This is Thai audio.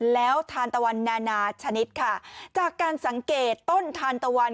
แล้วทานตะวันนานาชนิดค่ะจากการสังเกตต้นทานตะวัน